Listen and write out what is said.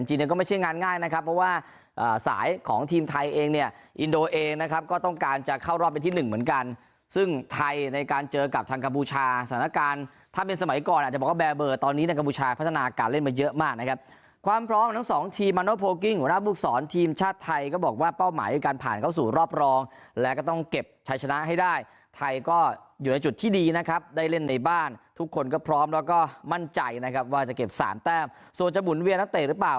จริงเนี่ยก็ไม่ใช่งานง่ายนะครับเพราะว่าสายของทีมไทยเองเนี่ยอินโดเองนะครับก็ต้องการจะเข้ารอบเป็นที่๑เหมือนกันซึ่งไทยในการเจอกับทางกบูชาสถานการณ์ถ้าเป็นสมัยก่อนอาจจะบอกว่าแบร์เบิร์ดตอนนี้ในกบูชาพัฒนาการเล่นมาเยอะมากนะครับความพร้อมทั้ง๒ทีมอัลโน้ตโพลกิ้งหัวหน้าบุกศรทีม